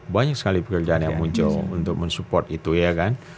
banyak sekali pekerjaan yang muncul untuk mensupport itu ya kan